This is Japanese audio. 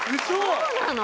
そうなの？